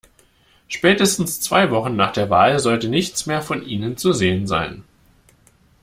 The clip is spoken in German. Spätestens zwei Wochen nach der Wahl sollte nichts mehr von ihnen zu sehen sein.